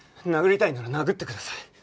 殴りたいなら殴ってください。